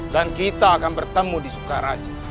dan kita akan bertemu di sukaraja